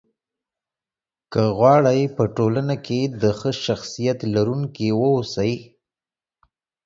که غواړئ! په ټولنه کې د ښه شخصيت لرونکي واوسی